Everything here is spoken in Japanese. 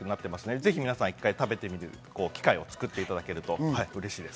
ぜひ食べてみる機会を作っていただけるとうれしいです。